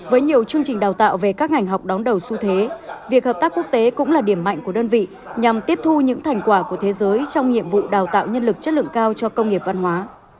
với nhiều chương trình đào tạo về các ngành học đón đầu xu thế việc hợp tác quốc tế cũng là điểm mạnh của đơn vị nhằm tiếp thu những thành quả của thế giới trong nhiệm vụ đào tạo nhân lực chất lượng cao cho công nghiệp văn hóa